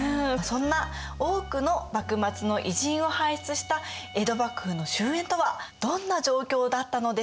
そんな多くの幕末の偉人を輩出した江戸幕府の終焉とはどんな状況だったのでしょうか。